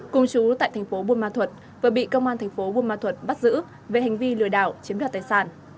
cùng chú tại thành phố buôn ma thuật vừa bị công an thành phố buôn ma thuật bắt giữ về hành vi lừa đảo chiếm đoạt tài sản